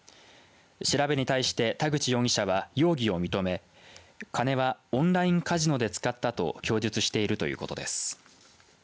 調べに対して田口容疑者は容疑を認め金はオンラインカジノで使ったと供述しているということです。